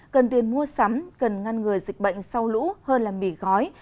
cần tiền mua sắm cần ngăn ngừa dịch bệnh sau lũ hơn là mỉ gói